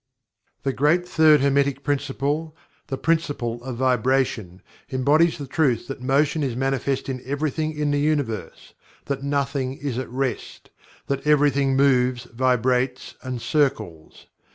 The great Third Hermetic Principle the Principle of Vibration embodies the truth that Motion is manifest in everything in the Universe that nothing is at rest that everything moves, vibrates, and circles.